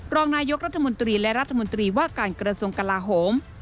รองนายกรัฐมนตรีและรัฐมนตรีว่าการกระทรวงกลาโหม